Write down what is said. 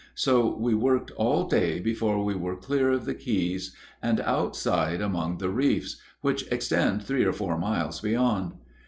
So we worked all day before we were clear of the keys and outside among the reefs, which extend three or four miles beyond.